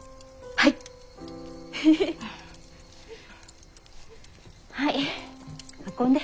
はい運んで。